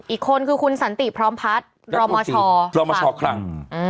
อีกคนคือคุณสันติพร้อมพัฒน์รอมชรมชคลัง